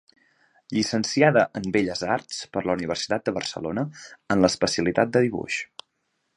Llicenciada en Belles Arts per la Universitat de Barcelona en l’especialitat de dibuix.